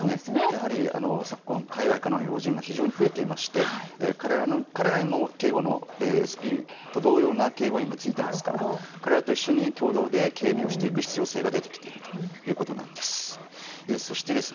やはり、昨今海外からの要人が増えていまして彼らにもＳＰと同等の警護員がついていますから彼らと一緒に共同で警備をしていく必要性が出てきているということです。